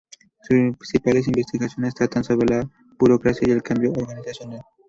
Sus principales investigaciones tratan sobre la burocracia y el cambio organizacional.